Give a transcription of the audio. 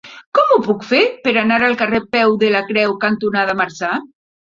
Com ho puc fer per anar al carrer Peu de la Creu cantonada Marçà?